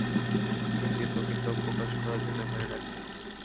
শিন্দে, তোকে শোক প্রকাশ করার জন্য এখানে ডাকিনি।